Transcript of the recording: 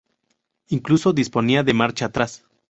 Incluso disponía de marcha atrás.